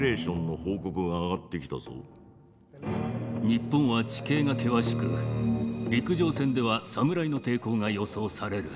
日本は地形が険しく陸上戦では侍の抵抗が予想される。